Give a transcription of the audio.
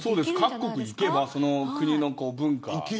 各国に行けばその国の文化を。